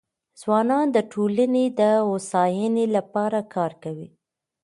ځوانان د ټولنې د هوساینې لپاره کار کوي.